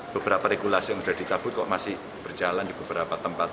beberapa regulasi yang sudah dicabut kok masih berjalan di beberapa tempat